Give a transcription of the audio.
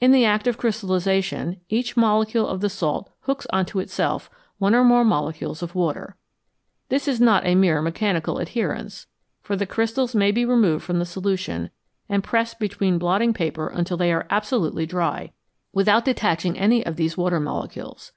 In the act of crystallisation each molecule of the salt hooks on to itself one or more molecules of water. This is not a mere mechanical adherence, for the crystals may be removed from the solution, and pressed between blotting paper until they are absolutely dry, without 318 FROM SOLUTIONS TO CRYSTALS detaching any of these water molecules.